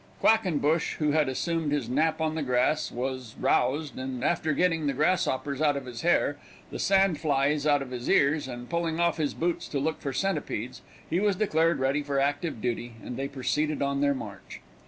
Quackenbush, who had resumed his nap on the grass, was roused, and after getting the grasshoppers out of his hair, the sand flies out of his ears, and pulling off his boots to look for centipedes, he was declared ready for active duty, and they proceeded on their march.